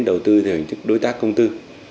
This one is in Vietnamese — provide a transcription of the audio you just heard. đầu tư theo hình thức đối tác công tư